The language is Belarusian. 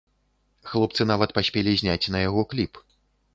Хлопцы нават паспелі зняць на яго кліп.